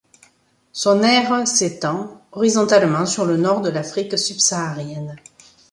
Son aire s'étend horizontalement sur le nord de l'Afrique subsaharienne.